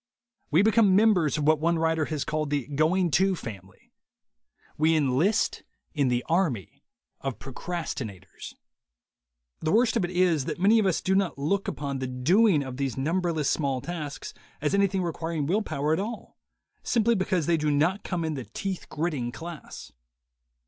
We become members of what one writer has called the "Going To" family. We enlist in the Army of the Procrastinators. The worst of it is, that many of us do not look upon the doing of these numberless small tasks as anything requiring will power at all, simply because they do not come in the teeth gritting class.